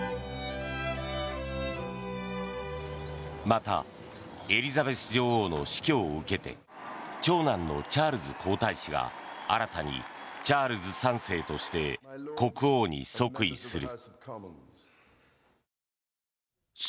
またエリザベス女王の死去を受けて長男のチャールズ皇太子が新たにチャールズ３世として国王に即位する。